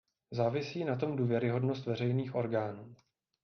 Závisí na tom důvěryhodnost veřejných orgánů.